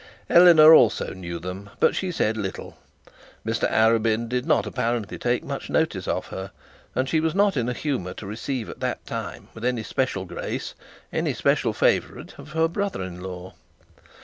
Eleanor also knew them, but spoke little. Mr Arabin did not apparently take much notice of her, and she was not in a humour to receive at that time with any special grace any special favourite of her brother in law.